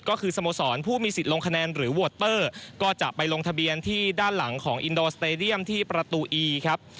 ก็คือสโมสรผู้มีสิทธิ์ลงคะแนนหรือโวตเตอร์ก็จะไปลงทะเบียนที่ด้านหลังของอินโดสเตดียมที่ประตูอีครับ